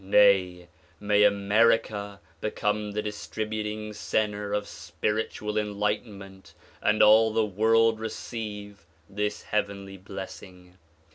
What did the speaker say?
Nay, may America become the distributing center of spiritual enlightenment and all the world receive this heavenly blessing.